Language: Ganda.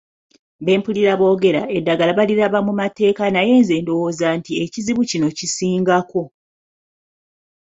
Be mpulira boogera, eddagala baliraba mu mateeka naye nze ndowooza nti ekizibu kino kisingako